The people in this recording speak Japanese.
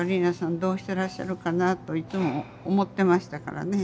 どうしてらっしゃるかなといつも思ってましたからね。